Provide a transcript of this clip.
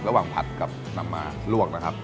ระหว่างผัดกับนำมาลวกนะครับ